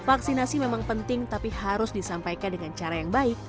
vaksinasi memang penting tapi harus disampaikan dengan cara yang baik